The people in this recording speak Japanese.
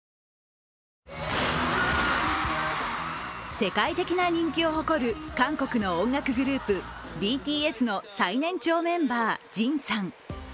世界的な人気を誇る韓国の音楽グループ、ＢＴＳの最年長メンバー、ＪＩＮさん。